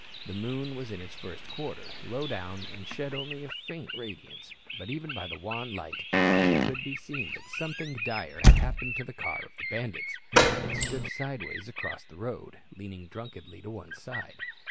The moon was in its first quarter, low down and shed only a faint radiance. But even by the wan light, it could be seen that something dire had happened to the car of the bandits. It stood sideways across the road, leaning drunkenly to one side.